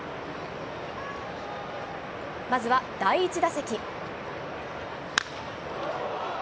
まずは、第１打席。